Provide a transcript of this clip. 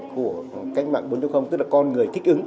của cách mạng bốn tức là con người thích ứng